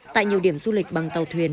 tại nhiều điểm du lịch bằng tàu thuyền